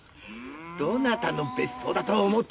どなたの別荘だと思ってるんだ！